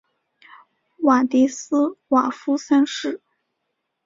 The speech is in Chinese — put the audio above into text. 瓦迪斯瓦夫三世。